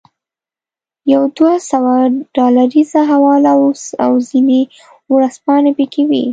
یوه دوه سوه ډالریزه حواله او ځینې ورځپاڼې پکې وې.